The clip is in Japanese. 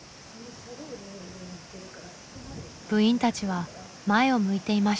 部員たちは前を向いていました。